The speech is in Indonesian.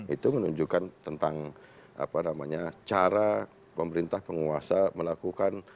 itu menunjukkan tentang cara pemerintah penguasa melakukan